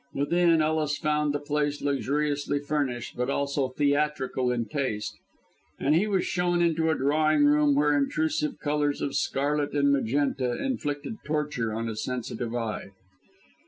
Within, Ellis found the place luxuriously furnished, but also theatrical in taste, and he was shown into a drawing room where intrusive colours of scarlet and magenta inflicted torture on a sensitive eye.